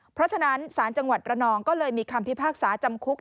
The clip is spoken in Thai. เพราะฉะนั้นศาลจังหวัดระนองก็เลยมีคำพิพากษาจำคุก